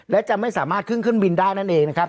และจะไม่สามารถขึ้นขึ้นบินได้นั่นเองนะครับ